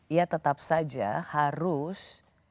ia tetap saja harus